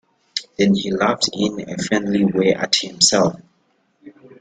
Then he laughed in a friendly way at himself.